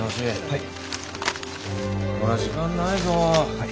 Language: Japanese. はい。